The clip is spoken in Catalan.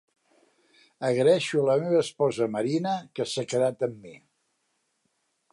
Agraeixo a la meva esposa Marina, que s'ha quedat amb mi.